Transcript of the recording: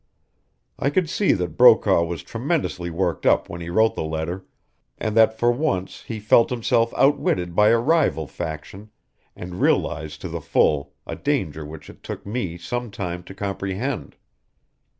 I could see that Brokaw was tremendously worked up when he wrote the letter, and that for once he felt himself outwitted by a rival faction, and realized to the full a danger which it took me some time to comprehend.